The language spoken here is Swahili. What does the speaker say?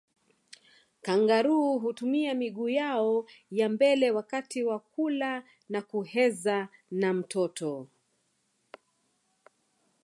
Kangaroo hutumia miguu yao ya mbele wakati wa kula na kuheza na mtoto